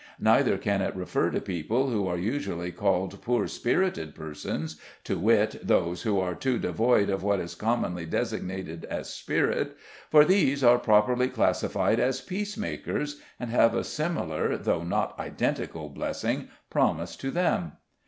Neither can it refer to people who are usually called poor spirited persons, to wit, those who are too devoid of what is commonly designated as spirit, for these are properly classified as peace makers, and have a similar though not identical blessing promised to them."